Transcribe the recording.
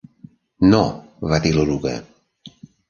"No" -va dir l'eruga.